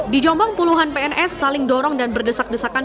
dijombang puluhan pns saling dorong dan berdesak desakan